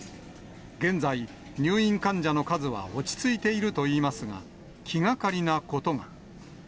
現在、入院患者の数は落ち着いているといいますが、気がかりなことが。